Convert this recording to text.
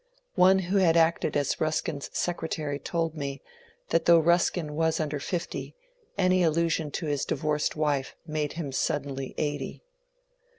One who had acted as Ruskin's secretary told me that though Ruskin was under fifty, any allusion to his divorced wife made him suddenly eighty.